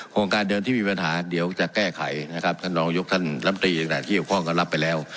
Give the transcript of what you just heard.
โครงการเดิมที่มีปัญหาเดี๋ยวจะแก้ไขนะครับท่านรองยกท่านลำตรีต่างที่เกี่ยวข้องก็รับไปแล้ว